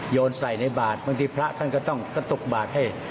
โยนใส่ในบาทบางทีพระท่านก็ต้องกระตุกบาดให้